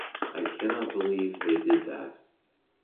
I cannot believe they did that.